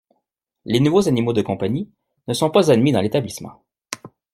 Les nouveaux animaux de compagnie ne sont pas admis dans l’établissement.